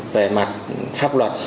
về mặt pháp luật